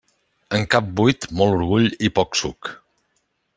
En cap buit, molt orgull i poc suc.